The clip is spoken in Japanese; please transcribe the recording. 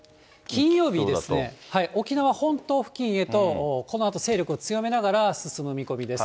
金曜日ですね、沖縄本島付近へとこのあと勢力を強めながら進む見込みです。